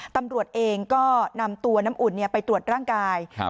ตำรวจเองก็นำตัวน้ำอุ่นไปตรวจร่างกาย